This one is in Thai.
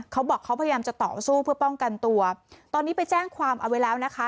เขาบอกเขาพยายามจะต่อสู้เพื่อป้องกันตัวตอนนี้ไปแจ้งความเอาไว้แล้วนะคะ